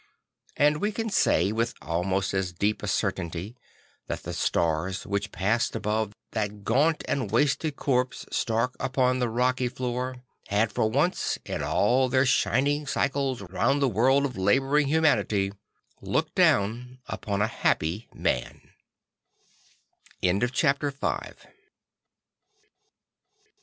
And ,ve can say, with almost as deep a certainty, that the stars which passed above that gaunt and wasted corpse stark upon the rocky floor had for once, in all their shining cycles round the world of labouring humanity, looked down upon a hap